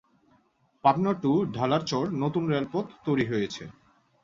Pabna to Dhalarchar নতুন রেলপথ তৈরী হয়েছে।